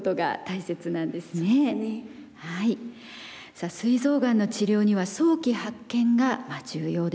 さあすい臓がんの治療には早期発見が重要です。